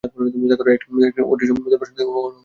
একটা অদৃশ্য দুর্বার শক্তি যেন অহরহ তার বিরুদ্ধে কাজ করিতেছে।